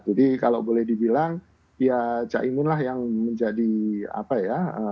jadi kalau boleh dibilang ya caimin lah yang menjadi apa ya